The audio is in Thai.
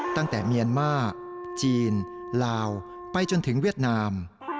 ตั้งแต่เมียนมาร์จีนลาวไปจนถึงเวียดนาม